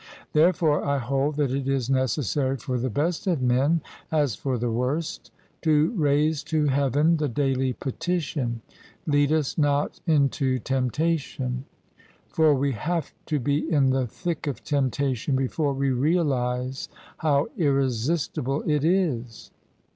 Therefore I hold that it is necessary for the best of men, as for the worst, to raise to Heaven the daily petition, ' Lead us not into tempta tion ': for we have to be in the thick of temptation before we realise how irresistible it is."